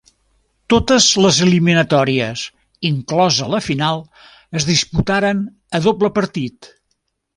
Totes les eliminatòries, inclosa la final, es disputaren a doble partit.